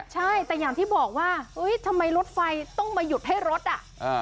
ใช่แต่อย่างที่บอกว่าเฮ้ยทำไมรถไฟต้องมาหยุดให้รถอ่ะ